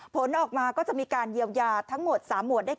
ผลออกมาก็จะมีการเยียวยาทั้งหมด๓หมวดได้